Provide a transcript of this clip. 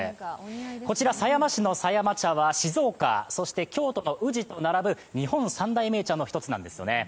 こちら、狭山市の狭山茶は静岡、そして京都の宇治と並ぶ日本三大銘茶の１つなんですよね。